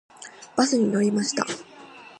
バスに乗りました。